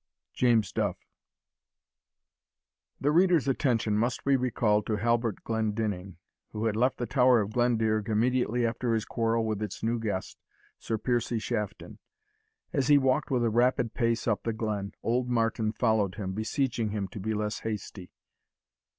JAMES DUFF. The reader's attention must be recalled to Halbert Glendinning, who had left the Tower of Glendearg immediately after his quarrel with its new guest, Sir Piercie Shafton. As he walked with a rapid pace up the glen, Old Martin followed him, beseeching him to be less hasty.